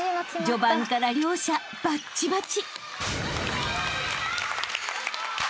［序盤から両者バッチバチ］